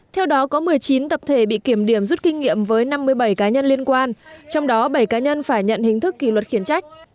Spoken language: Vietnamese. theo đó có một mươi chín tập thể bị kiểm điểm rút kinh nghiệm với năm mươi bảy cá nhân liên quan trong đó bảy cá nhân phải nhận hình thức kỷ luật khiển trách